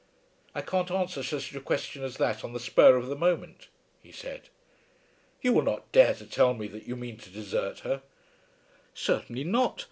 "I can't answer such a question as that on the spur of the moment," he said. "You will not dare to tell me that you mean to desert her?" "Certainly not.